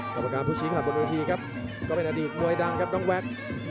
กรรมการผู้ชี้ขาดบนเวทีครับก็เป็นอดีตมวยดังครับน้องแวก